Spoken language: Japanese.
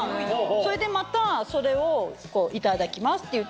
それでまたそれをいただきますって言って。